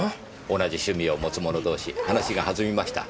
同じ趣味を持つ者同士話が弾みました。